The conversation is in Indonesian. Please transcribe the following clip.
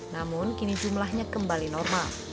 namun kini jumlahnya kembali normal